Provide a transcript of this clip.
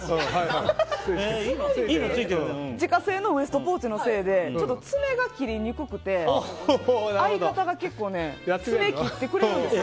自家製のウエストポーチのせいで爪が切りにくくて相方が爪を切ってくれるんですよ。